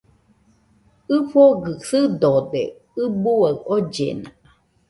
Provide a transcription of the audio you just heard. ɨfogɨ sɨdode ɨbuaɨ ollena